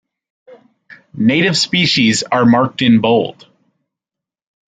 Native species are marked in bold.